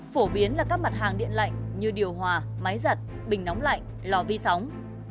phổ biến là các mặt hàng điện lạnh như điều hòa máy giặt bình nóng lạnh lò vi sóng